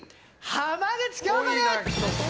浜口京子です！